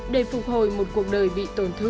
để phục hồi một cuộc đời bị